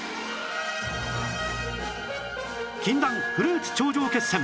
禁断フルーツ頂上決戦！